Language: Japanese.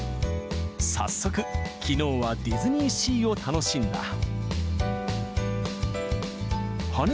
早速、きのうはディズニーシーを楽しんだ。